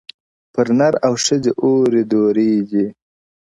پر نر او ښځي اوري دُرې دي,